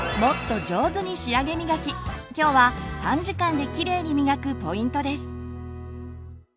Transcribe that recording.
今日は短時間できれいにみがくポイントです。